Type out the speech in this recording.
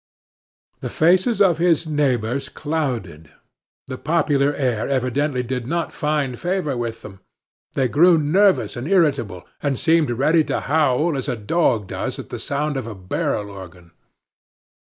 The faces of his neighbors clouded; the popular air evidently did not find favor with them; they grew nervous and irritable, and seemed ready to howl as a dog does at the sound of a barrel organ.